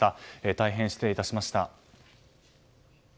大変失礼いたしました。